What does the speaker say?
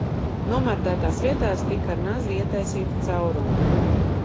Nomērdētās vietās tika ar nazi ietaisīti caurumi.